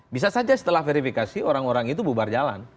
bisa saja setelah verifikasi orang orang itu bubar jalan